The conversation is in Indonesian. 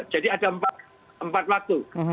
jadi ada empat waktu